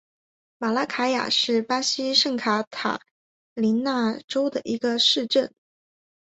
马拉卡雅是巴西圣卡塔琳娜州的一个市镇。